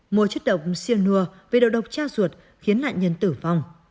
mua chất độc siêu nua về độ độc cha ruột khiến nạn nhân tử vong